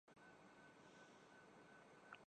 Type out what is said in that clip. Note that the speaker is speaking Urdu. اپنی ذات کو کم تر سمجھتا ہوں